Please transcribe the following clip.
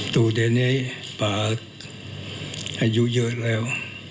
ตู่เดี๋ยวนี้ป่าอายุเยอะแล้ว